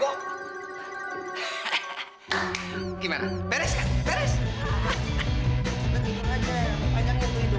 mungkin ini aja yang panjangnya pelindung ya